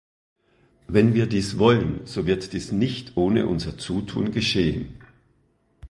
Wenn wir dies wollen, so wird dies nicht ohne unser Zutun geschehen.